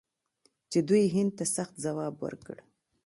چې دوی هند ته سخت ځواب ورکړ.